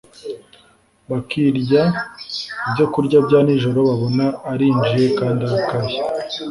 Bakirya ibyokurya bya nijoro babona arinjiye kandi arakaye